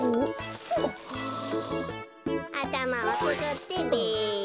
あたまをつくってべ。